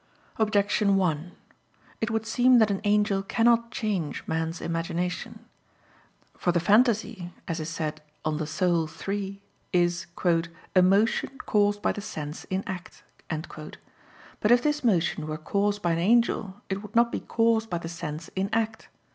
Objection 1: It would seem that an angel cannot change man's imagination. For the phantasy, as is said De Anima iii, is "a motion caused by the sense in act." But if this motion were caused by an angel, it would not be caused by the sense in act.